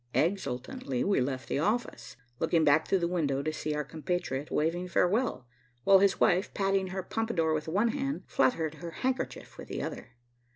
Exultantly we left the office, looking back through the window to see our compatriot waving farewell, while his wife, patting her pompadour with one hand, fluttered her handkerchief with the other.